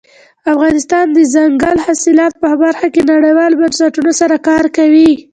افغانستان د دځنګل حاصلات په برخه کې نړیوالو بنسټونو سره کار کوي.